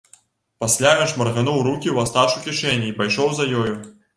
Пасля ён шмаргануў рукі ў астачу кішэнь і пайшоў за ёю.